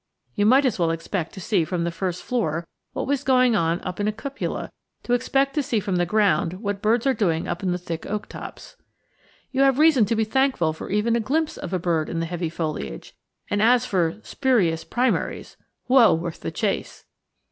You might as well expect to see from the first floor what was going on up in a cupola as to expect to see from the ground what birds are doing up in the thick oak tops. You have reason to be thankful for even a glimpse of a bird in the heavy foliage, and as for 'spurious primaries,' "Woe worth the chase!"